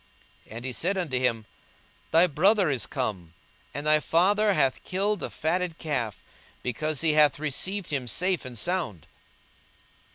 42:015:027 And he said unto him, Thy brother is come; and thy father hath killed the fatted calf, because he hath received him safe and sound.